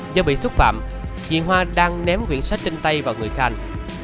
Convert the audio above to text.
do bị xúc phạm chị hoa đang ném quyển sách trên tay vào người khanh